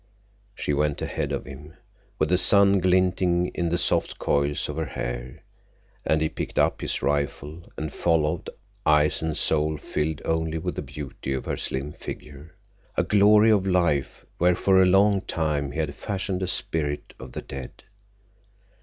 She went ahead of him, with the sun glinting in the soft coils of her hair, and he picked up his rifle and followed, eyes and soul filled only with the beauty of her slim figure—a glory of life where for a long time he had fashioned a spirit of the dead.